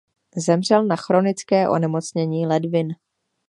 Zemřel na chronické onemocnění ledvin.